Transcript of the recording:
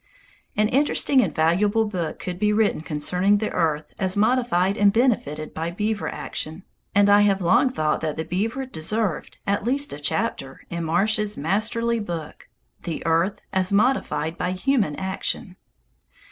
An interesting and valuable book could be written concerning the earth as modified and benefited by beaver action, and I have long thought that the beaver deserved at least a chapter in Marsh's masterly book, "The Earth as modified by Human Action."